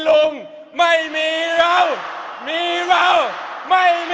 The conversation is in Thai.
ลักษณะไกลทั้งแผ่นดิน